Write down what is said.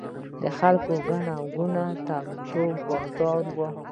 د خلکو ګڼه ګوڼې او تود بازار و.